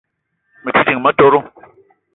Me te ding motoro